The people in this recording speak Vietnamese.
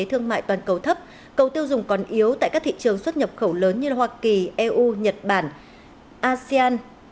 tổng tiêu dùng còn yếu tại các thị trường xuất nhập khẩu lớn như hoa kỳ eu nhật bản asean